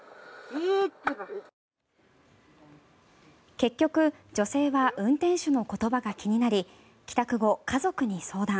結局、女性は運転手の言葉が気になり帰宅後、家族に相談。